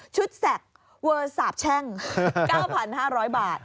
แสกเวอร์สาบแช่ง๙๕๐๐บาท